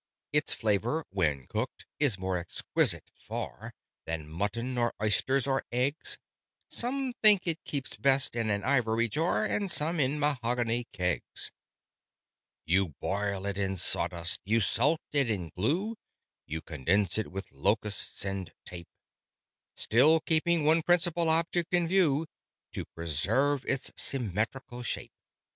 "Its' flavour when cooked is more exquisite far Than mutton, or oysters, or eggs: (Some think it keeps best in an ivory jar, And some, in mahogany kegs:) "You boil it in sawdust: you salt it in glue: You condense it with locusts and tape: Still keeping one principal object in view To preserve its symmetrical shape."